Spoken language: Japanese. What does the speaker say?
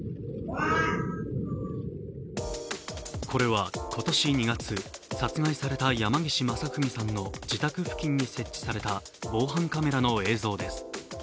これは今年２月、殺害された山岸正文さんの自宅付近に設置された防犯カメラの映像です。